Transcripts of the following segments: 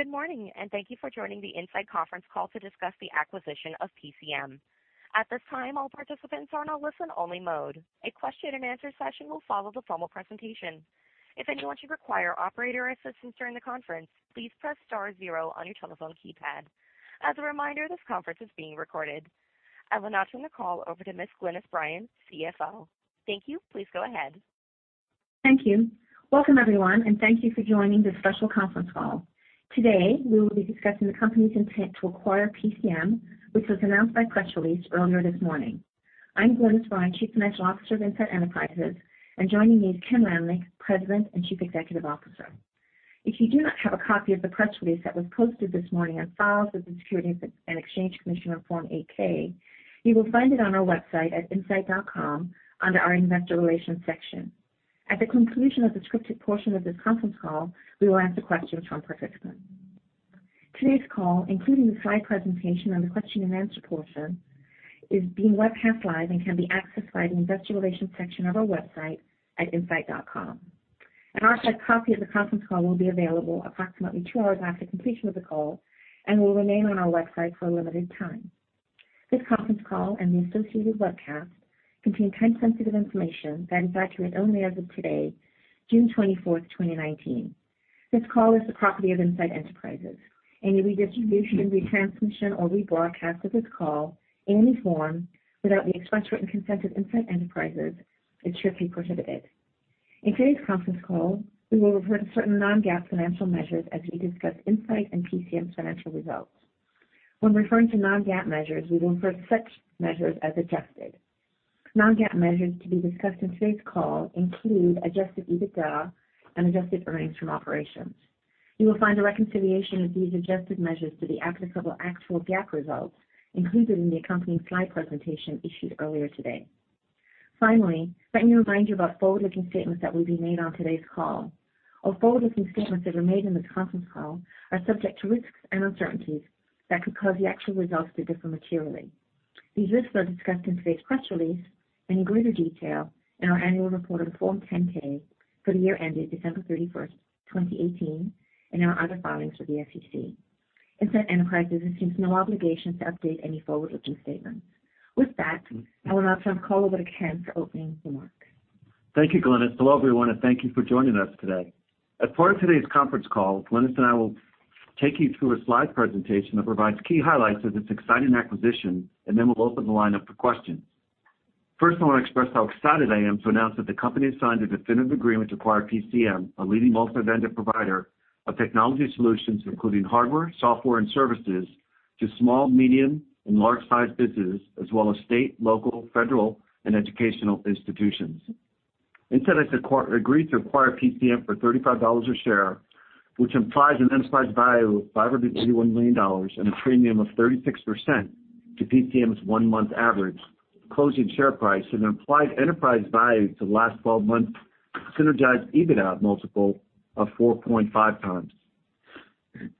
Good morning, thank you for joining the Insight conference call to discuss the acquisition of PCM. At this time, all participants are in a listen-only mode. A question and answer session will follow the formal presentation. If anyone should require operator assistance during the conference, please press star 0 on your telephone keypad. As a reminder, this conference is being recorded. I will now turn the call over to Ms. Glynis Bryan, CFO. Thank you. Please go ahead. Thank you. Welcome everyone, thank you for joining this special conference call. Today, we will be discussing the company's intent to acquire PCM, which was announced by press release earlier this morning. I am Glynis Bryan, Chief Financial Officer of Insight Enterprises. Joining me is Ken Lamneck, President and Chief Executive Officer. If you do not have a copy of the press release that was posted this morning on files with the Securities and Exchange Commission on Form 8-K, you will find it on our website at insight.com under our investor relations section. At the conclusion of the scripted portion of this conference call, we will answer questions from participants. Today's call, including the slide presentation and the question and answer portion, is being webcast live and can be accessed via the investor relations section of our website at insight.com. An archive copy of the conference call will be available approximately two hours after completion of the call and will remain on our website for a limited time. This conference call and the associated webcast contain time-sensitive information that is accurate only as of today, June 24, 2019. This call is the property of Insight Enterprises. Any redistribution, retransmission, or rebroadcast of this call in any form without the express written consent of Insight Enterprises is strictly prohibited. In today's conference call, we will refer to certain non-GAAP financial measures as we discuss Insight and PCM's financial results. When referring to non-GAAP measures, we will refer to such measures as adjusted. Non-GAAP measures to be discussed in today's call include adjusted EBITDA and adjusted earnings from operations. You will find a reconciliation of these adjusted measures to the applicable actual GAAP results included in the accompanying slide presentation issued earlier today. Finally, let me remind you about forward-looking statements that will be made on today's call. All forward-looking statements that are made in this conference call are subject to risks and uncertainties that could cause the actual results to differ materially. These risks are discussed in today's press release and in greater detail in our annual report on Form 10-K for the year ended December 31, 2018, and our other filings with the SEC. Insight Enterprises assumes no obligation to update any forward-looking statements. I will now turn the call over to Ken for opening remarks. Thank you, Glynis. Hello, everyone. Thank you for joining us today. As part of today's conference call, Glynis and I will take you through a slide presentation that provides key highlights of this exciting acquisition. We'll open the line up for questions. First, I want to express how excited I am to announce that the company has signed a definitive agreement to acquire PCM, a leading multi-vendor provider of technology solutions, including hardware, software, and services to small, medium, and large-sized businesses as well as state, local, federal, and educational institutions. Insight has agreed to acquire PCM for $35 a share, which implies an enterprise value of $581 million and a premium of 36% to PCM's one-month average closing share price, and an implied enterprise value to the last 12-month synergized EBITDA multiple of 4.5 times.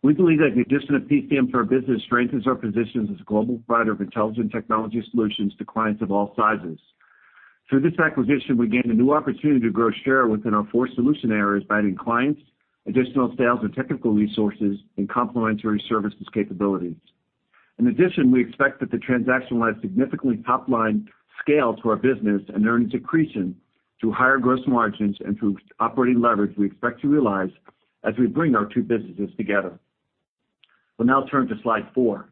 We believe that the addition of PCM to our business strengthens our position as a global provider of intelligent technology solutions to clients of all sizes. Through this acquisition, we gain a new opportunity to grow share within our four solution areas by adding clients, additional sales and technical resources, and complementary services capabilities. We expect that the transaction will add significant top-line scale to our business and earnings accretion through higher gross margins and through operating leverage we expect to realize as we bring our two businesses together. We'll now turn to slide four.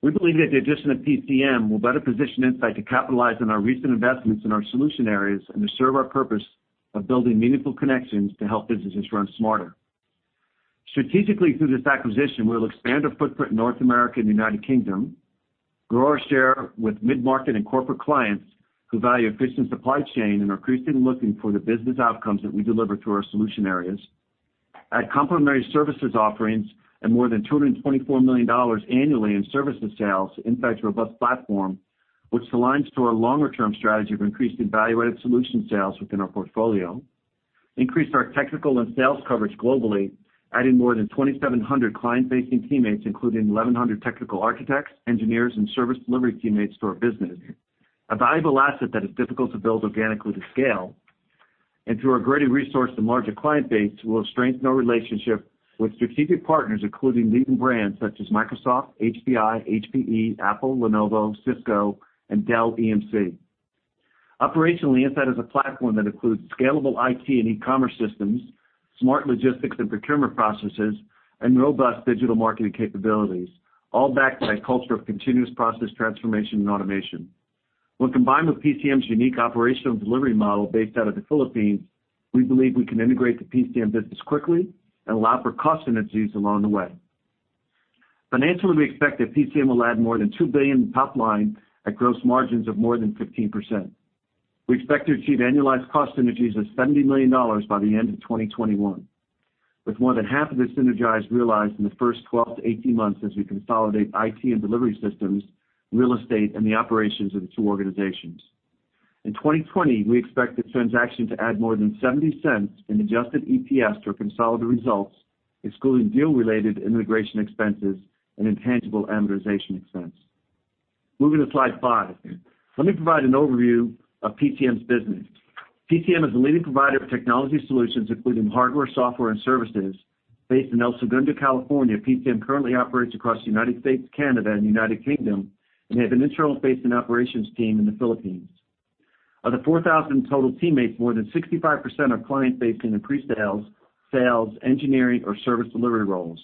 We believe that the addition of PCM will better position Insight to capitalize on our recent investments in our solution areas and to serve our purpose of building meaningful connections to help businesses run smarter. Strategically, through this acquisition, we'll expand our footprint in North America and the U.K., grow our share with mid-market and corporate clients who value efficient supply chain and are increasingly looking for the business outcomes that we deliver through our solution areas. Add complementary services offerings and more than $224 million annually in services sales to Insight's robust platform, which aligns to our longer-term strategy of increased and value-added solution sales within our portfolio. Increase our technical and sales coverage globally, adding more than 2,700 client-facing teammates, including 1,100 technical architects, engineers, and service delivery teammates to our business, a valuable asset that is difficult to build organically to scale. Through our greater resource and larger client base, we will strengthen our relationship with strategic partners, including leading brands such as Microsoft, HPI, HPE, Apple, Lenovo, Cisco, and Dell EMC. Operationally, Insight is a platform that includes scalable IT and e-commerce systems, smart logistics and procurement processes, and robust digital marketing capabilities, all backed by a culture of continuous process transformation and automation. When combined with PCM's unique operational delivery model based out of the Philippines, we believe we can integrate the PCM business quickly and allow for cost synergies along the way. Financially, we expect that PCM will add more than $2 billion in top line at gross margins of more than 15%. We expect to achieve annualized cost synergies of $70 million by the end of 2021, with more than half of the synergized realized in the first 12-18 months as we consolidate IT and delivery systems, real estate, and the operations of the two organizations. In 2020, we expect the transaction to add more than $0.70 in adjusted EPS to our consolidated results, excluding deal-related integration expenses and intangible amortization expense. Moving to slide five, let me provide an overview of PCM's business. PCM is a leading provider of technology solutions, including hardware, software, and services based in El Segundo, California. PCM currently operates across the U.S., Canada, and U.K., and they have an internal-facing operations team in the Philippines. Of the 4,000 total teammates, more than 65% are client-facing in pre-sales, sales, engineering, or service delivery roles.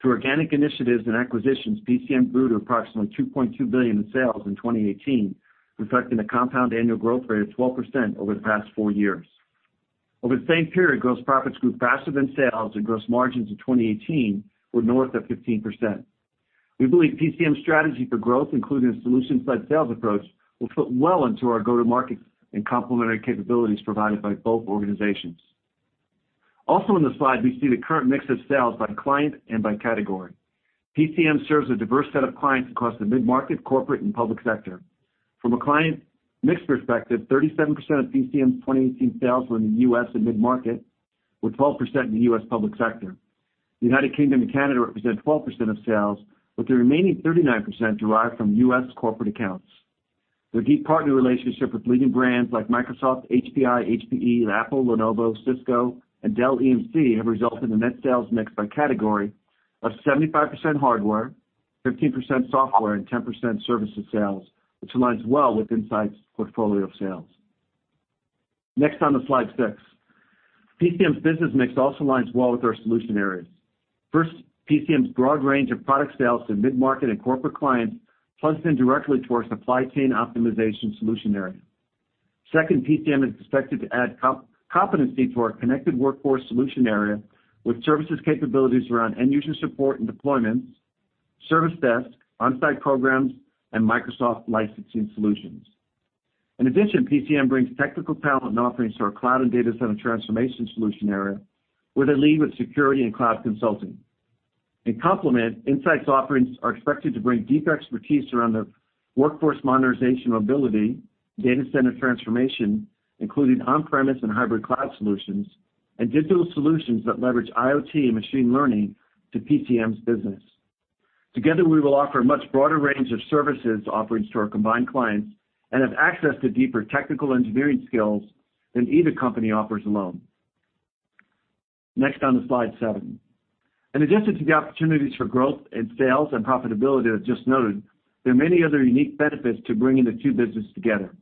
Through organic initiatives and acquisitions, PCM grew to approximately $2.2 billion in sales in 2018, reflecting a compound annual growth rate of 12% over the past four years. Over the same period, gross profits grew faster than sales and gross margins in 2018 were north of 15%. We believe PCM's strategy for growth, including a solution-led sales approach, will fit well into our go-to-market and complementary capabilities provided by both organizations. Also on the slide, we see the current mix of sales by client and by category. PCM serves a diverse set of clients across the mid-market, corporate, and public sector. From a client mix perspective, 37% of PCM's 2018 sales were in the U.S. mid-market, with 12% in the U.S. public sector. U.K. and Canada represent 12% of sales, with the remaining 39% derived from U.S. corporate accounts. Their deep partner relationship with leading brands like Microsoft, HPI, HPE, Apple, Lenovo, Cisco, and Dell EMC have resulted in a net sales mix by category of 75% hardware, 15% software, and 10% services sales, which aligns well with Insight's portfolio of sales. Next, onto slide six. PCM's business mix also aligns well with our solution areas. First, PCM's broad range of product sales to mid-market and corporate clients plugs in directly to our supply chain optimization solution area. Second, PCM is expected to add competency to our connected workforce solution area with services capabilities around end-user support and deployments, service desk, on-site programs, and Microsoft licensing solutions. In addition, PCM brings technical talent and offerings to our cloud and data center transformation solution area, where they lead with security and cloud consulting. In complement, Insight's offerings are expected to bring deeper expertise around the workforce modernization mobility, data center transformation, including on-premise and hybrid cloud solutions, and digital solutions that leverage IoT and machine learning to PCM's business. Together, we will offer a much broader range of services offerings to our combined clients and have access to deeper technical engineering skills than either company offers alone. Next, onto slide seven. In addition to the opportunities for growth in sales and profitability I've just noted, there are many other unique benefits to bringing the two businesses together.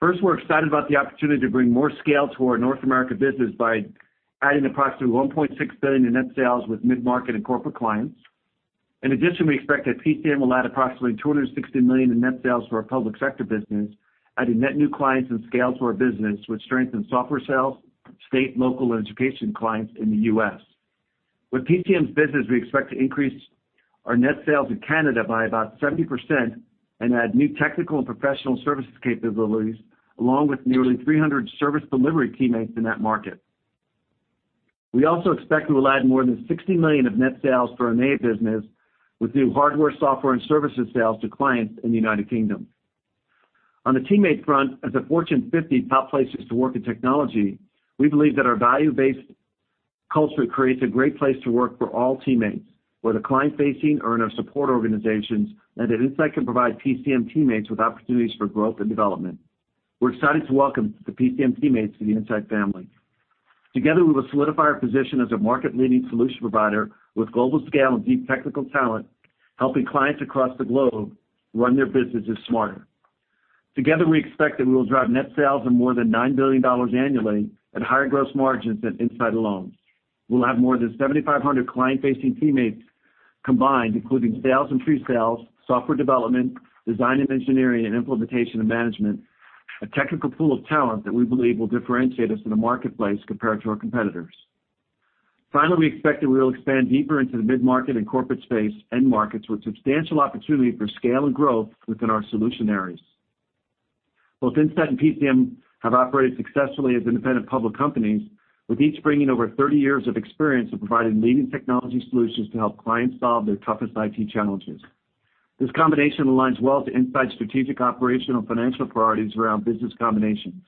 First, we're excited about the opportunity to bring more scale to our North America business by adding approximately $1.6 billion in net sales with mid-market and corporate clients. In addition, we expect that PCM will add approximately $260 million in net sales to our public sector business, adding net new clients and scale to our business, which strengthen software sales, state, local, and education clients in the U.S. With PCM's business, we expect to increase our net sales in Canada by about 70% and add new technical and professional services capabilities, along with nearly 300 service delivery teammates in that market. We also expect we will add more than $60 million of net sales for our NA business with new hardware, software, and services sales to clients in the United Kingdom. On the teammate front, as a Fortune 50 top places to work in technology, we believe that our value-based culture creates a great place to work for all teammates, whether client-facing or in our support organizations, and that Insight can provide PCM teammates with opportunities for growth and development. We're excited to welcome the PCM teammates to the Insight family. Together, we will solidify our position as a market-leading solution provider with global scale and deep technical talent, helping clients across the globe run their businesses smarter. Together, we expect that we will drive net sales of more than $9 billion annually at higher gross margins than Insight alone. We'll have more than 7,500 client-facing teammates combined, including sales and pre-sales, software development, design and engineering, and implementation and management, a technical pool of talent that we believe will differentiate us in the marketplace compared to our competitors. We expect that we will expand deeper into the mid-market and corporate space end markets with substantial opportunity for scale and growth within our solution areas. Both Insight and PCM have operated successfully as independent public companies, with each bringing over 30 years of experience in providing leading technology solutions to help clients solve their toughest IT challenges. This combination aligns well to Insight's strategic, operational, financial priorities around business combinations.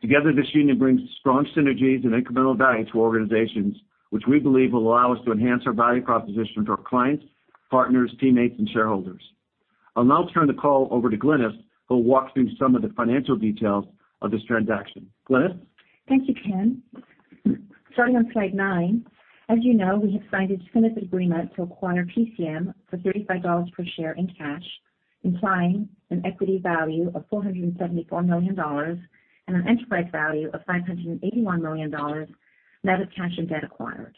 Together, this union brings strong synergies and incremental value to our organizations, which we believe will allow us to enhance our value proposition to our clients, partners, teammates, and shareholders. I'll now turn the call over to Glynis, who will walk through some of the financial details of this transaction. Glynis? Thank you, Ken. Starting on slide nine. As you know, we have signed a definitive agreement to acquire PCM for $35 per share in cash, implying an equity value of $474 million and an enterprise value of $581 million net of cash and debt acquired.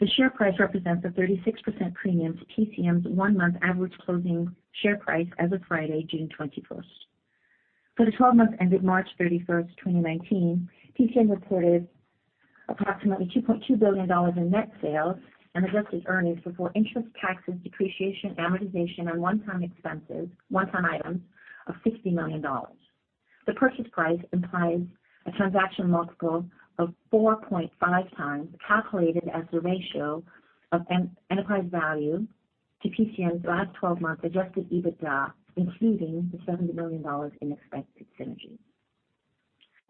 The share price represents a 36% premium to PCM's one-month average closing share price as of Friday, June 21st. For the 12 months ended March 31st, 2019, PCM reported approximately $2.2 billion in net sales and adjusted earnings before interest, taxes, depreciation, amortization, and one-time items of $60 million. The purchase price implies a transaction multiple of 4.5x, calculated as the ratio of enterprise value to PCM's last 12-month adjusted EBITDA, excluding the $70 million in expected synergies.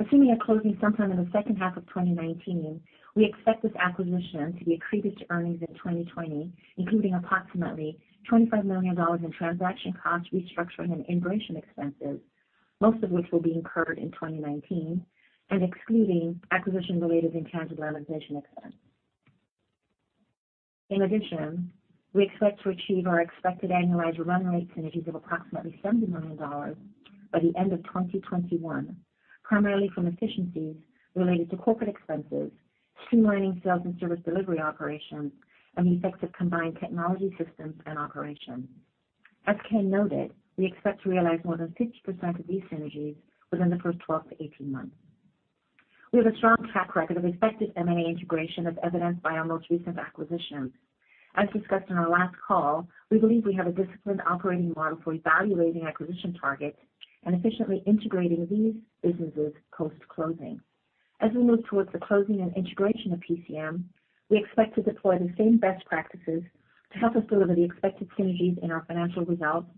Assuming a closing sometime in the second half of 2019, we expect this acquisition to be accretive to earnings in 2020, including approximately $25 million in transaction costs, restructuring, and integration expenses, most of which will be incurred in 2019 and excluding acquisition-related intangible amortization expense. We expect to achieve our expected annualized run rate synergies of approximately $70 million by the end of 2021, primarily from efficiencies related to corporate expenses, streamlining sales and service delivery operations, and the effects of combined technology systems and operations. As Ken noted, we expect to realize more than 50% of these synergies within the first 12 to 18 months. We have a strong track record of effective M&A integration, as evidenced by our most recent acquisition. As discussed on our last call, we believe we have a disciplined operating model for evaluating acquisition targets and efficiently integrating these businesses post-closing. As we move towards the closing and integration of PCM, we expect to deploy the same best practices to help us deliver the expected synergies in our financial results.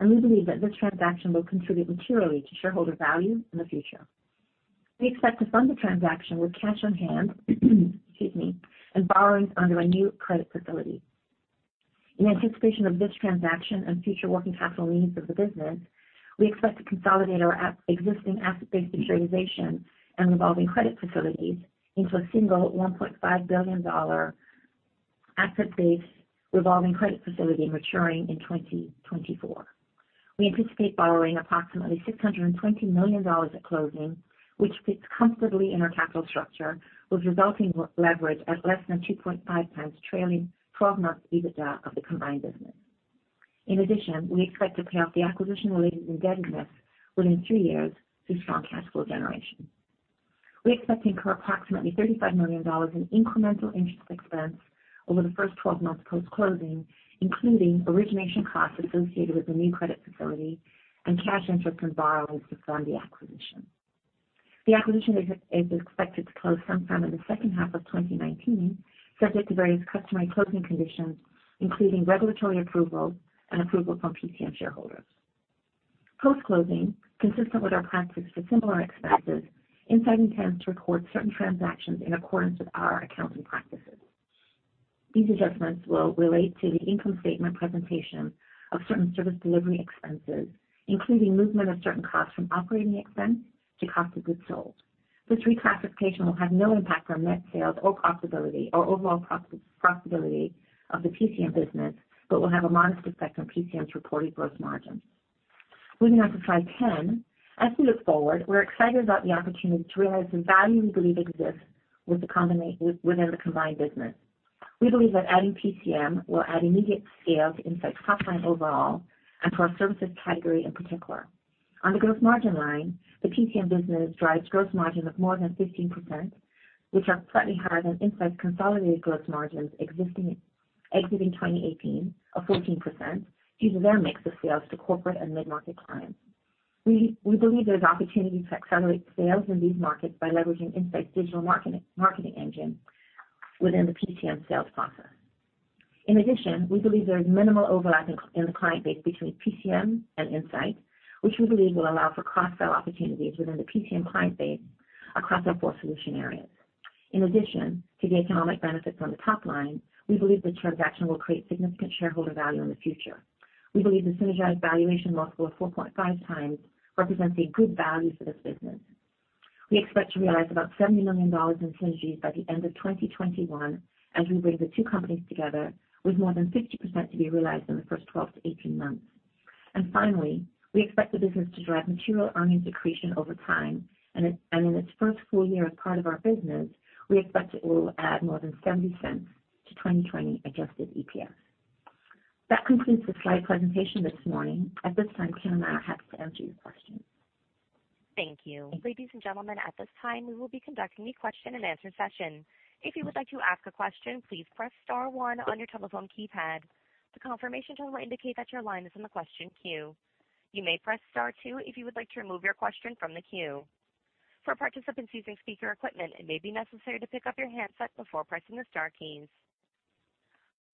We believe that this transaction will contribute materially to shareholder value in the future. We expect to fund the transaction with cash on hand and borrowings under a new credit facility. In anticipation of this transaction and future working capital needs of the business, we expect to consolidate our existing asset-based securitization and revolving credit facilities into a single $1.5 billion asset-based revolving credit facility maturing in 2024. We anticipate borrowing approximately $620 million at closing, which fits comfortably in our capital structure, with resulting leverage at less than 2.5x trailing 12 months EBITDA of the combined business. We expect to pay off the acquisition-related indebtedness within three years through strong cash flow generation. We expect to incur approximately $35 million in incremental interest expense over the first 12 months post-closing, including origination costs associated with the new credit facility and cash interest from borrowings to fund the acquisition. The acquisition is expected to close sometime in the second half of 2019, subject to various customary closing conditions, including regulatory approval and approval from PCM shareholders. Post-closing, consistent with our practice for similar expenses, Insight intends to record certain transactions in accordance with our accounting practices. These adjustments will relate to the income statement presentation of certain service delivery expenses, including movement of certain costs from operating expense to cost of goods sold. This reclassification will have no impact on net sales or profitability or overall profitability of the PCM business, but will have a modest effect on PCM's reported gross margin. Moving on to slide 10. As we look forward, we're excited about the opportunity to realize the value we believe exists within the combined business. We believe that adding PCM will add immediate scale to Insight's top line overall and to our services category in particular. On the gross margin line, the PCM business drives gross margins of more than 15%, which are slightly higher than Insight's consolidated gross margins exiting 2018 of 14%, due to their mix of sales to corporate and mid-market clients. We believe there is opportunity to accelerate sales in these markets by leveraging Insight's digital marketing engine within the PCM sales process. In addition, we believe there is minimal overlap in the client base between PCM and Insight, which we believe will allow for cross-sell opportunities within the PCM client base across our four solution areas. In addition to the economic benefits on the top line, we believe the transaction will create significant shareholder value in the future. We believe the synergized valuation multiple of 4.5 times represents a good value for this business. We expect to realize about $70 million in synergies by the end of 2021 as we bring the two companies together, with more than 50% to be realized in the first 12 to 18 months. Finally, we expect the business to drive material earnings accretion over time, and in its first full year as part of our business, we expect it will add more than $0.70 to 2020 adjusted EPS. That concludes the slide presentation this morning. At this time, Ken and I are happy to answer your questions. Thank you. Ladies and gentlemen, at this time, we will be conducting a question-and-answer session. If you would like to ask a question, please press star one on your telephone keypad. The confirmation tone will indicate that your line is in the question queue. You may press star two if you would like to remove your question from the queue. For participants using speaker equipment, it may be necessary to pick up your handset before pressing the star keys.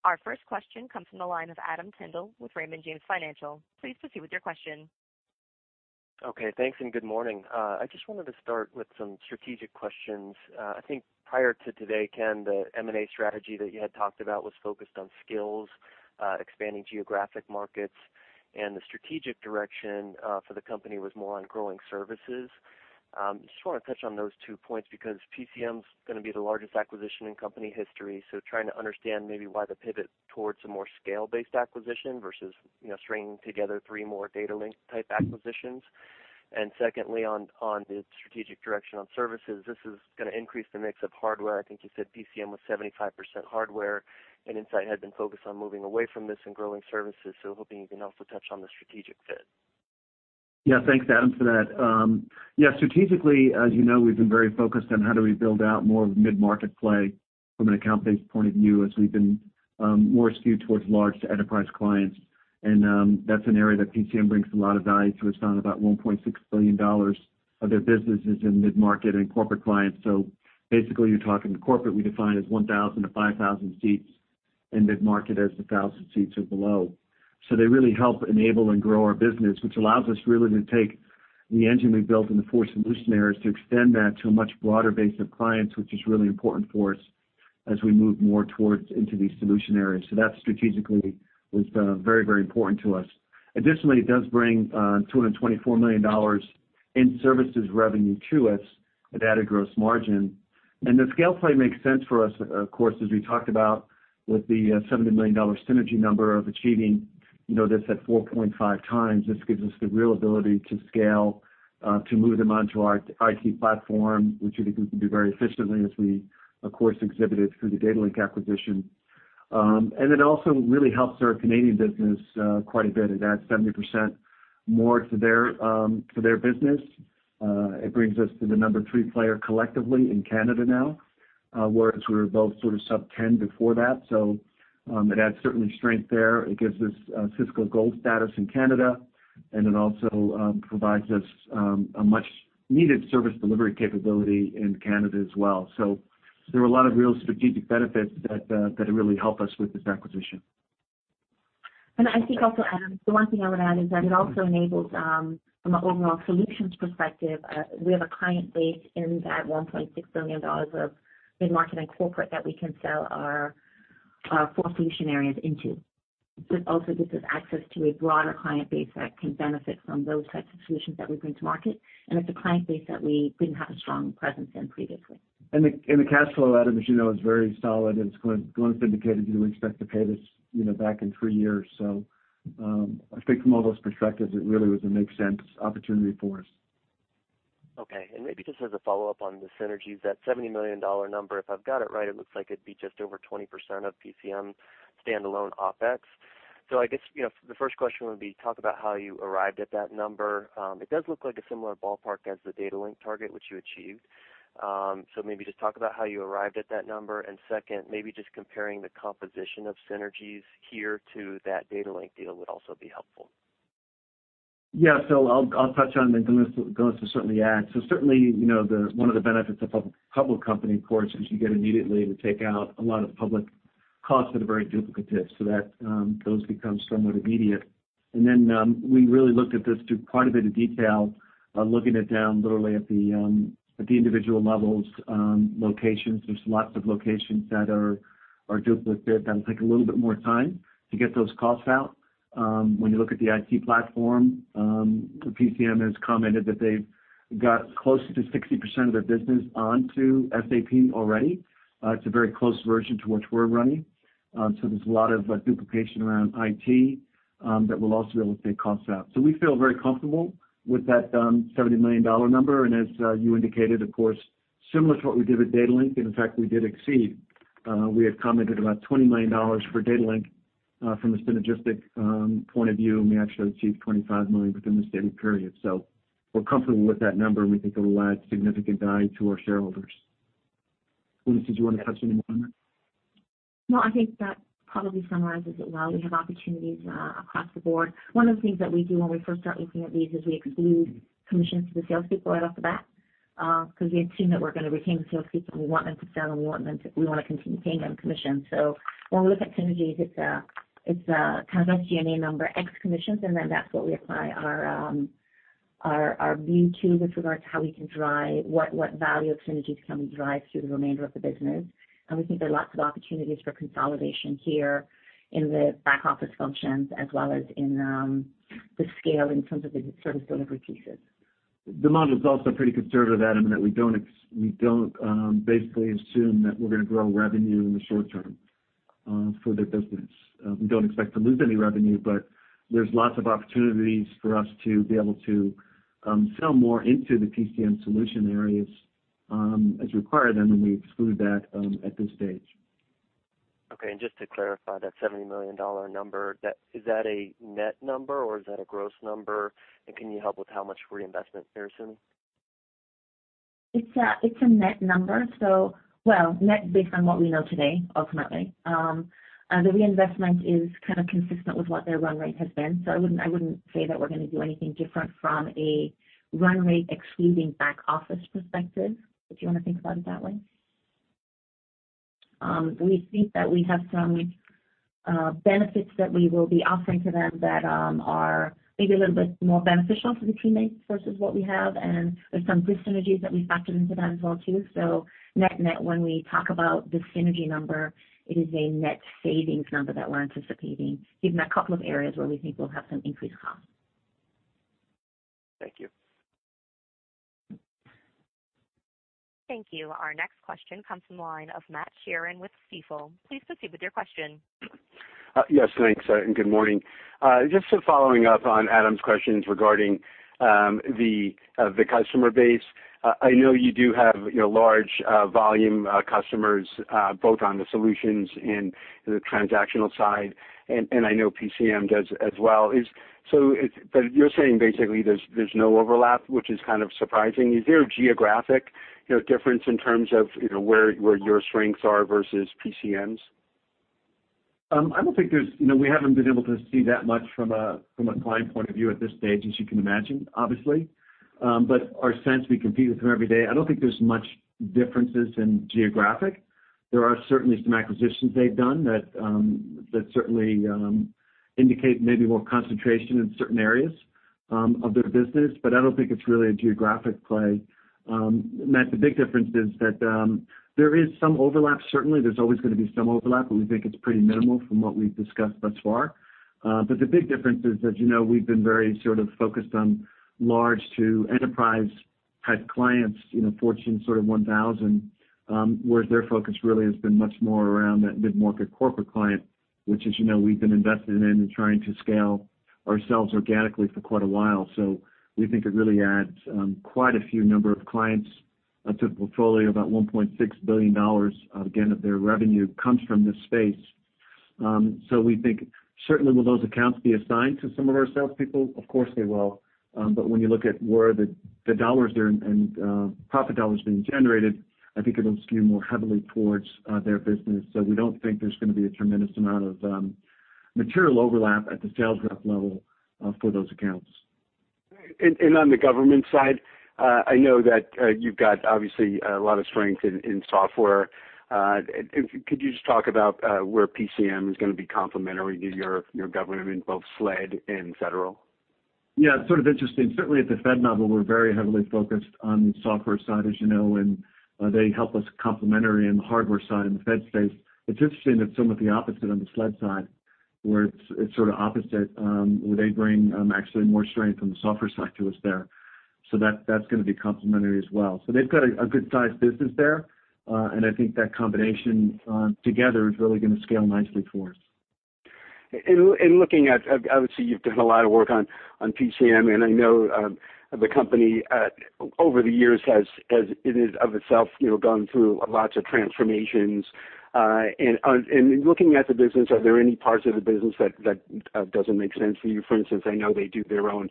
Our first question comes from the line of Adam Tindle with Raymond James Financial. Please proceed with your question. Okay. Thanks, and good morning. I just wanted to start with some strategic questions. I think prior to today, Ken, the M&A strategy that you had talked about was focused on skills, expanding geographic markets, and the strategic direction for the company was more on growing services. Just want to touch on those two points because PCM's going to be the largest acquisition in company history. So trying to understand maybe why the pivot towards a more scale-based acquisition versus stringing together three more Datalink-type acquisitions. Secondly, on the strategic direction on services, this is going to increase the mix of hardware. I think you said PCM was 75% hardware, and Insight had been focused on moving away from this and growing services. So hoping you can also touch on the strategic fit. Thanks, Adam, for that. Strategically, as you know, we've been very focused on how do we build out more of mid-market play from an account-based point of view, as we've been more skewed towards large to enterprise clients. That's an area that PCM brings a lot of value to. It's around about $1.6 billion of their business is in mid-market and corporate clients. Basically, you're talking to corporate, we define as 1,000 to 5,000 seats In mid-market as the 1,000 seats or below. They really help enable and grow our business, which allows us really to take the engine we built in the four solution areas, to extend that to a much broader base of clients, which is really important for us as we move more towards, into these solution areas. That strategically was very important to us. Additionally, it does bring $224 million in services revenue to us at added gross margin. The scale play makes sense for us, of course, as we talked about with the $70 million synergy number of achieving this at 4.5 times. This gives us the real ability to scale, to move them onto our IT platform, which we can do very efficiently as we, of course, exhibited through the Datalink acquisition. It also really helps our Canadian business quite a bit. It adds 70% more to their business. It brings us to the number three player collectively in Canada now, whereas we were both sort of sub-10 before that. It adds certainly strength there. It gives us Cisco Gold status in Canada, it also provides us a much needed service delivery capability in Canada as well. There were a lot of real strategic benefits that really help us with this acquisition. I think also, Adam, the one thing I would add is that it also enables, from an overall solutions perspective, we have a client base in that $1.6 billion of mid-market and corporate that we can sell our four solution areas into. Also this is access to a broader client base that can benefit from those types of solutions that we bring to market, it's a client base that we didn't have a strong presence in previously. The cash flow out of it, as you know, is very solid, and it's going to indicate that we expect to pay this back in three years. I think from all those perspectives, it really was a make sense opportunity for us. Okay. Maybe just as a follow-up on the synergies, that $70 million number, if I've got it right, it looks like it'd be just over 20% of PCM's standalone OpEx. I guess, the first question would be, talk about how you arrived at that number. It does look like a similar ballpark as the Datalink target, which you achieved. Maybe just talk about how you arrived at that number. Second, maybe just comparing the composition of synergies here to that Datalink deal would also be helpful. Yeah. I'll touch on, and then Glynis will certainly add. Certainly, one of the benefits of public company, of course, is you get immediately to take out a lot of the public costs that are very duplicative. That, those become somewhat immediate. Then, we really looked at this through quite a bit of detail, looking it down literally at the individual levels, locations. There's lots of locations that are duplicative that'll take a little bit more time to get those costs out. When you look at the IT platform, PCM has commented that they've got close to 60% of their business onto SAP already. It's a very close version to which we're running. There's a lot of duplication around IT that we'll also be able to take costs out. We feel very comfortable with that $70 million number. As you indicated, of course, similar to what we did with Datalink, and in fact, we did exceed. We had commented about $20 million for Datalink, from a synergistic point of view, and we actually achieved $25 million within the same period. We're comfortable with that number, and we think it will add significant value to our shareholders. Glynis, did you want to touch any more on that? I think that probably summarizes it well. We have opportunities across the board. One of the things that we do when we first start looking at these is we exclude commissions to the salespeople right off the bat, because we assume that we're going to retain the salespeople. We want them to sell, and we want to continue paying them commission. When we look at synergies, it's kind of that G&A number, ex commissions, and then that's what we apply our view to with regards to how we can drive what value of synergies can we drive through the remainder of the business. We think there are lots of opportunities for consolidation here in the back office functions, as well as in the scale in terms of the service delivery pieces. The model's also pretty conservative, Adam, in that we don't basically assume that we're going to grow revenue in the short term for their business. We don't expect to lose any revenue, but there's lots of opportunities for us to be able to sell more into the PCM solution areas as required. We exclude that at this stage. Just to clarify that $70 million number, is that a net number, or is that a gross number? Can you help with how much reinvestment there soon? It's a net number. Well, net based on what we know today, ultimately. The reinvestment is kind of consistent with what their run rate has been. I wouldn't say that we're going to do anything different from a run rate excluding back office perspective, if you want to think about it that way. We think that we have some benefits that we will be offering to them that are maybe a little bit more beneficial for the team versus what we have. There's some cost synergies that we factored into that as well too. Net-net, when we talk about the synergy number, it is a net savings number that we're anticipating, given a couple of areas where we think we'll have some increased costs. Thank you. Thank you. Our next question comes from the line of Matthew Sheerin with Stifel. Please proceed with your question. Yes, thanks. Good morning. Just following up on Adam's questions regarding the customer base. I know you do have large volume customers, both on the solutions and the transactional side, and I know PCM does as well. You're saying basically there's no overlap, which is kind of surprising. Is there a geographic difference in terms of where your strengths are versus PCM's? We haven't been able to see that much from a client point of view at this stage, as you can imagine, obviously. Our sense, we compete with them every day. I don't think there's much differences in geographic. There are certainly some acquisitions they've done that certainly indicate maybe more concentration in certain areas of their business, I don't think it's really a geographic play. Matthew, the big difference is that there is some overlap. Certainly, there's always going to be some overlap, but we think it's pretty minimal from what we've discussed thus far. The big difference is that we've been very focused on large to enterprise-type clients, Fortune sort of 1,000, whereas their focus really has been much more around that mid-market corporate client, which, as you know, we've been invested in and trying to scale ourselves organically for quite a while. We think it really adds quite a few number of clients to the portfolio. About $1.6 billion, again, of their revenue comes from this space. We think, certainly will those accounts be assigned to some of our salespeople? Of course, they will. When you look at where the profit dollars are being generated, I think it'll skew more heavily towards their business. We don't think there's going to be a tremendous amount of material overlap at the sales rep level for those accounts. On the government side, I know that you've got, obviously, a lot of strength in software. Could you just talk about where PCM is going to be complementary to your government in both SLED and federal? Yeah, it's sort of interesting. Certainly at the Fed model, we're very heavily focused on the software side, as you know, and they help us complementary in the hardware side in the Fed space. It's interesting that some of the opposite on the SLED side, where it's sort of opposite, where they bring actually more strength on the software side to us there. That's going to be complementary as well. They've got a good-sized business there, and I think that combination together is really going to scale nicely for us. Looking at, obviously, you've done a lot of work on PCM, and I know the company over the years has, it is of itself gone through lots of transformations. In looking at the business, are there any parts of the business that doesn't make sense for you? For instance, I know they do their own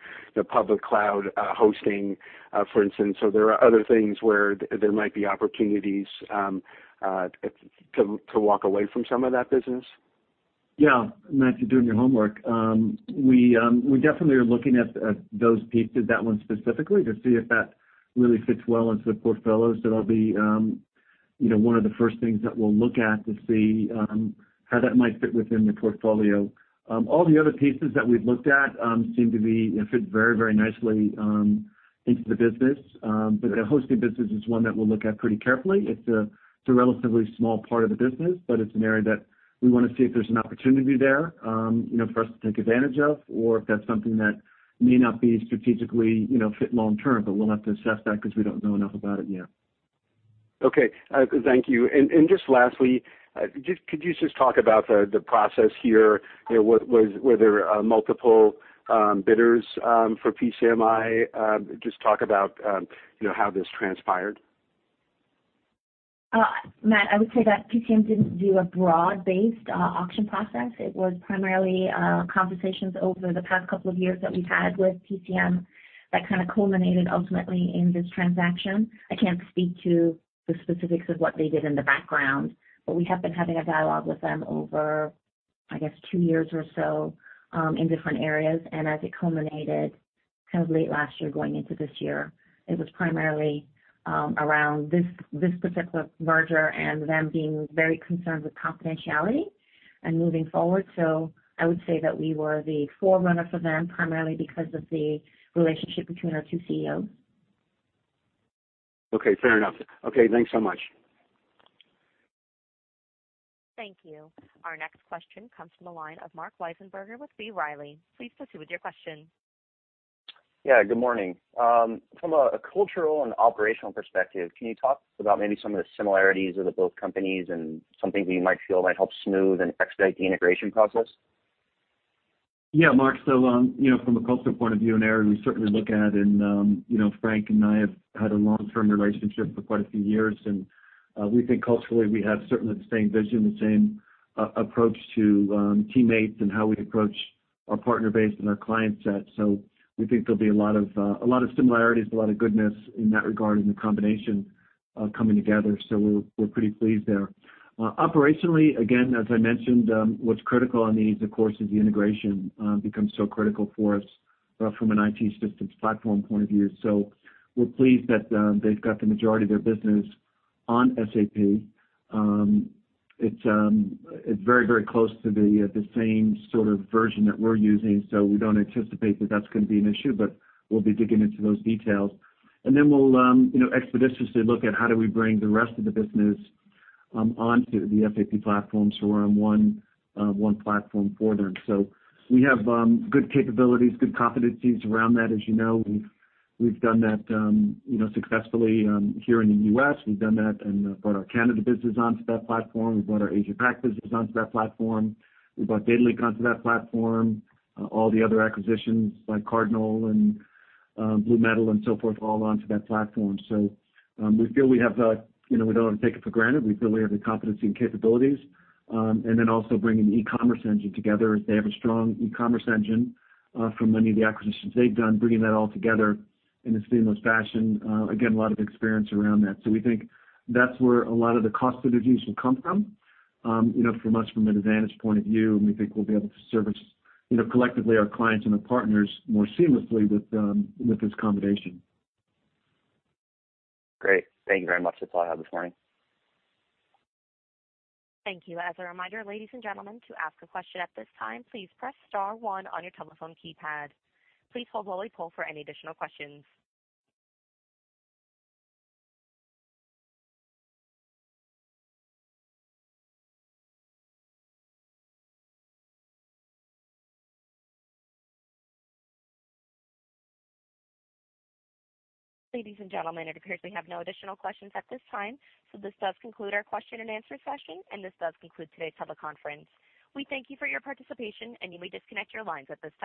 public cloud hosting, for instance. There are other things where there might be opportunities to walk away from some of that business? Yeah. Matt, you're doing your homework. We definitely are looking at those pieces, that one specifically, to see if that really fits well into the portfolio. That'll be one of the first things that we'll look at to see how that might fit within the portfolio. All the other pieces that we've looked at seem to fit very nicely into the business. The hosted business is one that we'll look at pretty carefully. It's a relatively small part of the business, but it's an area that we want to see if there's an opportunity there for us to take advantage of or if that's something that may not strategically fit long term. We'll have to assess that because we don't know enough about it yet. Okay. Thank you. Just lastly, could you just talk about the process here? Were there multiple bidders for PCM? Just talk about how this transpired. Matt, I would say that PCM didn't do a broad-based auction process. It was primarily conversations over the past couple of years that we've had with PCM that kind of culminated ultimately in this transaction. I can't speak to the specifics of what they did in the background, but we have been having a dialogue with them over, I guess, two years or so, in different areas. As it culminated kind of late last year going into this year, it was primarily around this specific merger and them being very concerned with confidentiality and moving forward. I would say that we were the forerunner for them, primarily because of the relationship between our two CEOs. Okay, fair enough. Okay, thanks so much. Thank you. Our next question comes from the line of Marc Wiesenberger with B. Riley. Please proceed with your question. Yeah, good morning. From a cultural and operational perspective, can you talk about maybe some of the similarities of the both companies and some things that you might feel might help smooth and expedite the integration process? Yeah, Marc. From a cultural point of view and area we certainly look at, Frank and I have had a long-term relationship for quite a few years, we think culturally, we have certainly the same vision, the same approach to teammates and how we approach our partner base and our client set. We think there'll be a lot of similarities, a lot of goodness in that regard in the combination coming together. We're pretty pleased there. Operationally, again, as I mentioned, what's critical on these, of course, is the integration becomes so critical for us from an IT systems platform point of view. We're pleased that they've got the majority of their business on SAP. It's very close to the same sort of version that we're using, we don't anticipate that that's going to be an issue. We'll be digging into those details. We'll expeditiously look at how do we bring the rest of the business onto the SAP platform so we're on one platform for them. We have good capabilities, good competencies around that. As you know, we've done that successfully here in the U.S. We've done that and brought our Canada business onto that platform. We brought our Asia Pac business onto that platform. We brought Datalink onto that platform. All the other acquisitions like Cardinal and BlueMetal and so forth, all onto that platform. We don't want to take it for granted. We feel we have the competency and capabilities. Also bringing the e-commerce engine together. They have a strong e-commerce engine from many of the acquisitions they've done, bringing that all together in a seamless fashion. A lot of experience around that. We think that's where a lot of the cost synergies will come from. For us, from an advantage point of view, we think we'll be able to service collectively our clients and the partners more seamlessly with this combination. Great. Thank you very much. That's all I have this morning. Thank you. As a reminder, ladies and gentlemen, to ask a question at this time, please press star one on your telephone keypad. Please hold while we poll for any additional questions. Ladies and gentlemen, it appears we have no additional questions at this time. This does conclude our question and answer session, and this does conclude today's teleconference. We thank you for your participation, and you may disconnect your lines at this time.